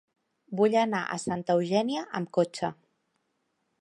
Vull anar a Santa Eugènia amb cotxe.